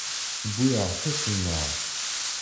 Tewwi-aɣ tiṭ-nneɣ.